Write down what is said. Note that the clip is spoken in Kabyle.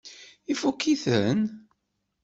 Ifukk-iten?